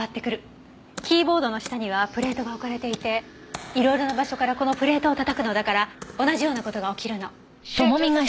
キーボードの下にはプレートが置かれていて色々な場所からこのプレートを叩くのだから同じような事が起きるの。